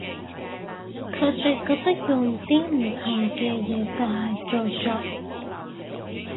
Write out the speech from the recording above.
佢哋覺得用啲唔同嘅嘢就係造作